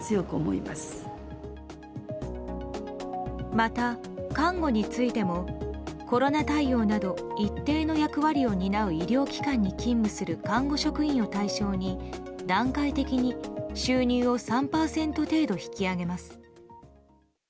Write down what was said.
また、看護についてもコロナ対応など一定の役割を担う医療機関に勤務する看護職員を対象に、段階的に収入を３％程度引き上げます。